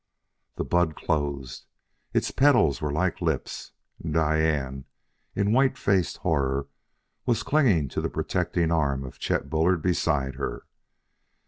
The bud closed. Its petals were like lips.... And Diane, in white faced horror, was clinging to the protecting arm of Chet Bullard beside her.